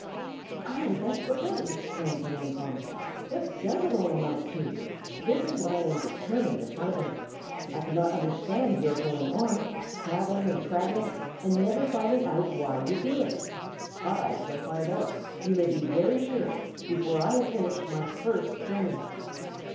"Ay, that's the point!" exclaimed the young comet. "What does it all amount to? That is what I am determined to find out. I cannot understand your going on, travelling and travelling, and never finding out why you do it. I shall find out, you may be very sure, before I have finished my first journey."